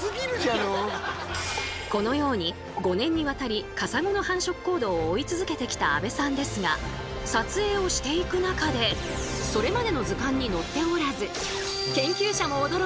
このように５年にわたりカサゴの繁殖行動を追い続けてきた阿部さんですが撮影をしていく中でそれが！